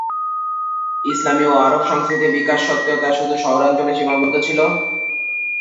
ইসলামি ও আরব সংস্কৃতির বিকাশ সত্ত্বেও তা শুধু শহরাঞ্চলে সীমাবদ্ধ ছিল।